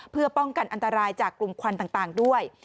เพื่อป้องกันอันตรายจากกลุ่มควันต่างด้วย